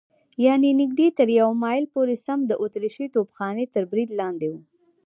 یعنې نږدې تر یوه مایل پورې سم د اتریشۍ توپخانې تر برید لاندې و.